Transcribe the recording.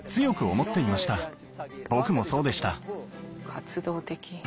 活動的！